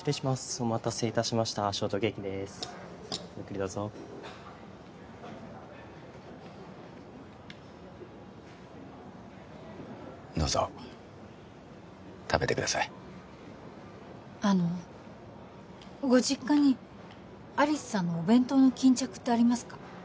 お待たせいたしましたショートケーキですごゆっくりどうぞどうぞ食べてくださいあのご実家に有栖さんのお弁当の巾着ってありますか？